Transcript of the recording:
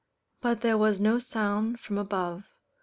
But there was no sound from above.